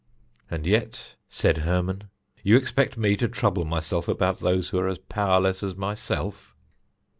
"And yet," said Hermon, "you expect me to trouble myself about those who are as powerless as myself!"